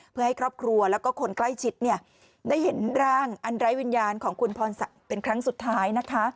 เพื่อให้ครอบครัวแล้วก็คนใกล้ชิดได้เห็นร่างอันไร้วิญญาณของคุณพรศักดิ์เป็นครั้งสุดท้ายนะคะ